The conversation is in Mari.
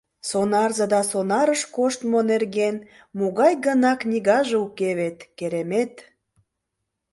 Сонарзе да сонарыш коштмо нерген могай гына книгаже уке вет, керемет!